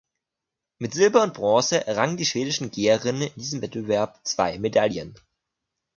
Mit Silber und Bronze errangen die schwedischen Geherinnen in diesem Wettbewerb zwei Medaillen.